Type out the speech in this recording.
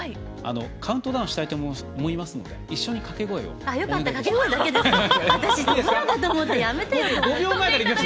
カウントダウンしたいと思うので一緒に掛け声をお願いします。